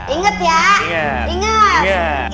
ingat ya inget